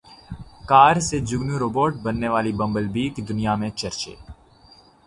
کار سے جنگجو روبوٹ بننے والی بمبل بی کے دنیا میں چرچے